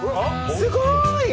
すごい！